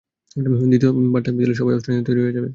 দ্বিতীয় বার তাকবীর দিলে সবাই অস্ত্র নিয়ে তৈরী হয়ে যাবে।